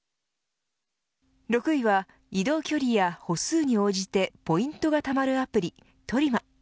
６位は移動距離や歩数に応じてポイントが貯まるアプリトリマ。